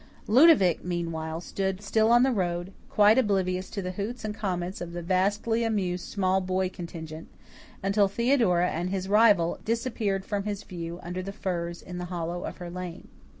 Ludovic, meanwhile, stood still on the road, quite oblivious to the hoots and comments of the vastly amused small boy contingent, until Theodora and his rival disappeared from his view under the firs in the hollow of her lane.